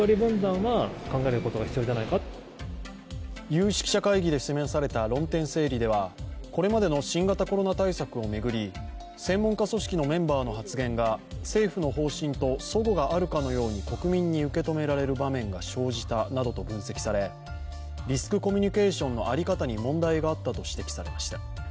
有識者会議で示された論点整理ではこれまでの新型コロナ対策を巡り、専門家組織のメンバーの発言が政府の方針とそごがあるかのように国民に受け止められる場面が生じたなどと分析されリスクコミュニケーションの在り方に問題があったと指摘されました。